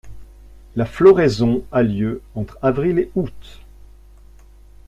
La floraison a lieu entre avril et août.